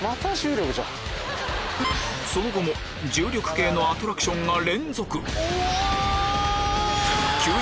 その後も重力系のアトラクションが連続おわ！